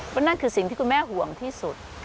เพราะนั่นคือสิ่งที่คุณแม่ห่วงที่สุด